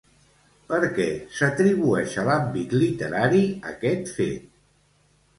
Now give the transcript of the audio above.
Per què s'atribueix a l'àmbit literari aquest fet?